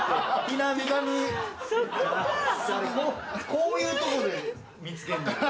こういうとこで見つけんねん。